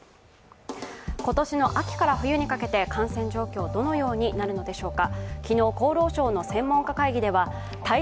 今年の秋から冬にかけて感染状況、どのようになるのでしょうか？